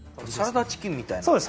サラダチキンみたいな？